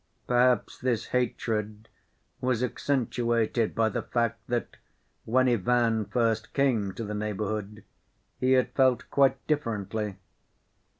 Perhaps this hatred was accentuated by the fact that when Ivan first came to the neighborhood he had felt quite differently.